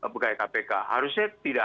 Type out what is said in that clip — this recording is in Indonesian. pegawai kpk harusnya tidak